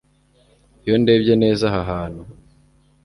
Iyo ndebye neza aha hantu